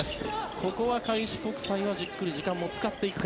ここは開志国際はじっくり時間も使っていくか。